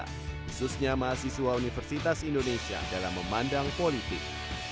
khususnya mahasiswa universitas indonesia dalam memandang politik